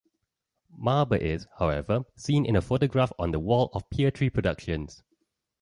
Marber is, however, seen in a photograph on the wall of Peartree Productions.